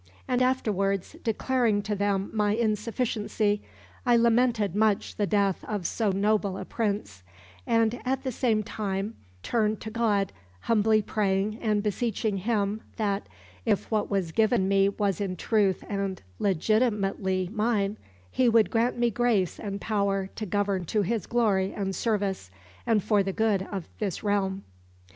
And afterwards, declaring to them my insufficiency, I lamented much the death of so noble a prince; and at the same time turned to God, humbly praying and beseeching Him that, if what was given me was in truth and legitimately mine, He would grant me grace and power to govern to His glory and service, and for the good of this realm."